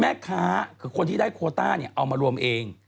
แม่ค้าคือคนที่ได้โคต้าเนี่ยเอามารวมเอง